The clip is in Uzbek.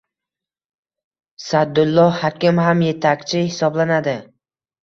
Sadulloh Hakim ham yetakchi hisoblanadi